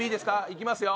いきますよ。